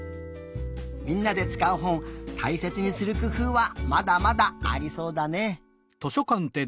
みんなでつかうほんたいせつにするくふうはまだまだありそうだね。